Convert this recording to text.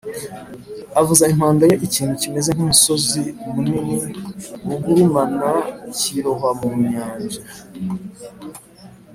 avuza impanda ye Ikintu kimeze nk umusozi munini b ugurumana kirohwa mu nyanja